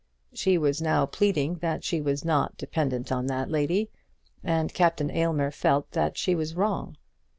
She was now pleading that she was not dependent on that lady, and Captain Aylmer felt that she was wrong.